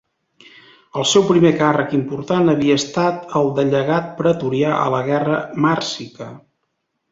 El seu primer càrrec important havia estat el de llegat pretorià a la guerra màrsica.